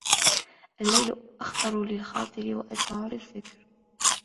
اللَّيْلَ أَخْطَرُ لِلْخَاطِرِ وَأَجْمَعُ لِلْفِكْرِ